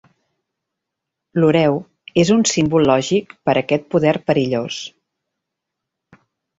L'ureu és un símbol lògic per a aquest poder perillós.